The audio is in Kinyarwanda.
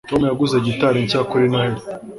Tom yaguze gitari nshya kuri Noheri.